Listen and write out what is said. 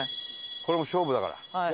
これも勝負だから。